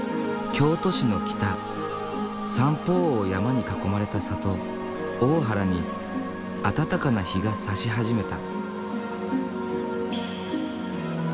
京都市の北三方を山に囲まれた里大原に暖かな日がさし始めた。